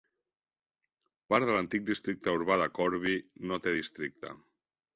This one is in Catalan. Part de l'antic districte urbà de Corby no té districte.